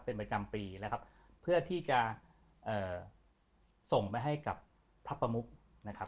เป็นประจำปีนะครับเพื่อที่จะเอ่อส่งไปให้กับพระประมุกนะครับ